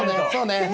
そうね。